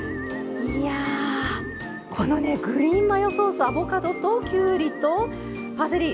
このね、グリーンマヨソースアボカドときゅうりとパセリ。